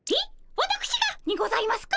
わたくしがにございますか？